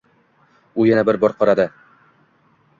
U yana bir bor qaradi.